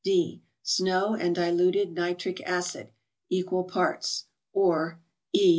D. —Snow, and diluted nitric acid, equal parts ; or E.